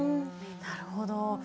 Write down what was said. なるほど。